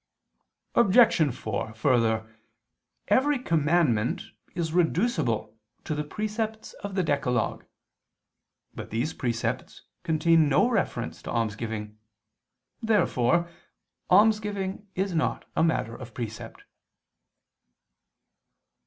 Obj. 4: Further, every commandment is reducible to the precepts of the Decalogue. But these precepts contain no reference to almsgiving. Therefore almsgiving is not a matter of precept.